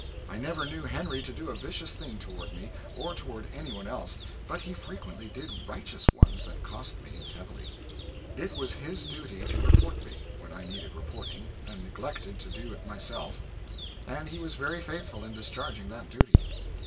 I never knew Henry to do a vicious thing toward me, or toward any one else but he frequently did righteous ones that cost me as heavily. It was his duty to report me, when I needed reporting and neglected to do it myself, and he was very faithful in discharging that duty.